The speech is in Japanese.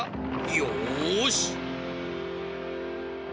よし！